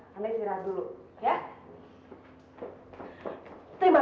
tante istirahat dulu ya